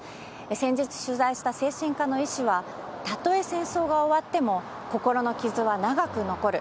先日取材した精神科の医師は、たとえ戦争が終わっても、心の傷は長く残る。